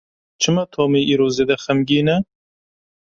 Çima Tomî îro zêde xemgîn e?